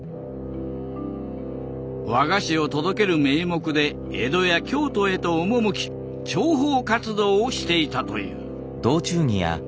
和菓子を届ける名目で江戸や京都へと赴き諜報活動をしていたという。